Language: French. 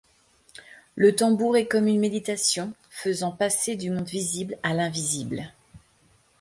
Le tambour est comme une méditation, faisant passer du monde visible à l’invisible.